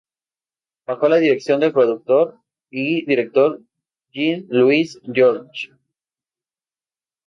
Bajo la dirección del productor y director Jean Louis Jorge.